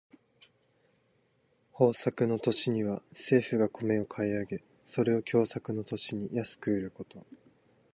豊作の年には政府が米を買い上げ、それを凶作の年に安く売ること。